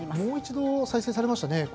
もう一度再生されましたね。